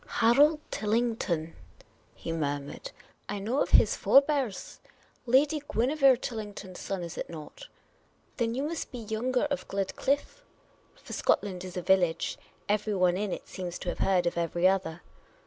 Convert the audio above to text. " Harold Tillington ?" he murmured. " I know of his forbears. Lady Guinevere Tillington' s son, is it not ? Then you must be Younger of GledclifFe." For Scotland is a village ; everyone in it seems to have heard of every other.